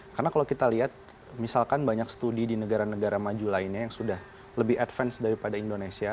karena kalau kita lihat misalkan banyak studi di negara negara maju lainnya yang sudah lebih advance daripada indonesia